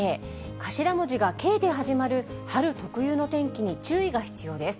頭文字がＫで始まる春特有の天気に注意が必要です。